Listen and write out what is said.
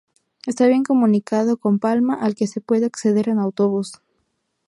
Está bien comunicado con Palma, al que se puede acceder en autobús.